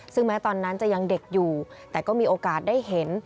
ซึ่งแม้ตอนนั้นจะยังเด็กอยู่แต่ก็มีโอกาสได้เห็น